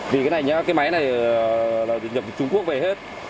vì cái này nhá cái máy này là nhập từ trung quốc về hết